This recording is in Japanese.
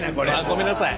ごめんなさい。